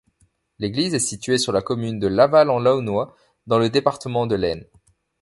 L'église est située sur la commune de Laval-en-Laonnois, dans le département de l'Aisne.